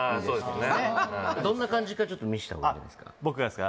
どんな感じかちょっと見せてもらっていいですか？